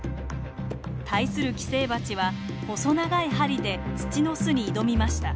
対する寄生バチは細長い針で土の巣に挑みました。